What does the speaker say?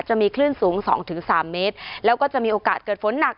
จะมีคลื่นสูง๒๓เมตรแล้วก็จะมีโอกาสเกิดฝนหนัก